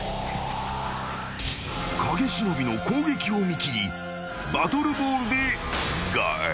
［影忍の攻撃を見切りバトルボールでガード］